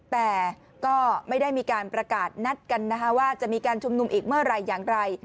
แต่ก็ไม่ได้มีการประกาศนัดกันนะคะว่าจะมีการชุมนุมอีกเมื่อไหร่อย่างไร